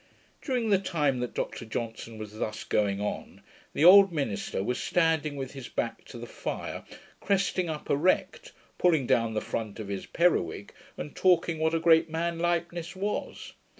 During the time that Dr Johnson was thus going on, the old minister was standing with his back to the fire, cresting up erect, pulling down the front of his periwig, and talking what a great man Leibnitz was.